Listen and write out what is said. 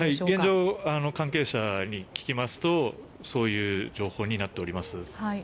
現状、関係者に聞きますとそういう情報になっております。